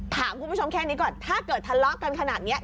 ถามคุณผู้ชมแค่นี้ก่อนถ้าเกิดทะเลาะกันขนาดนี้